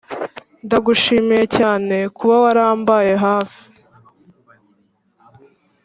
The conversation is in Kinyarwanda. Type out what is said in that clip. ndagushimiye cyanekuba waram baye hafi